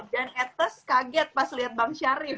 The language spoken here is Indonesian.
dan etes kaget pas liat bang syarif